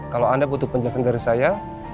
kalau anda butuh penjelasan dari saya